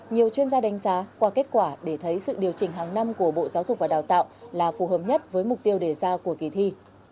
nhiều chuyên gia đánh giá qua kết quả để thấy sự điều chỉnh hàng năm của bộ giáo dục và đào tạo là phù hợp nhất với mục tiêu đề ra của kỳ thi